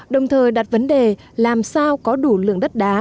đồng thời đặt vấn đề làm sao có đủ lượng đất đá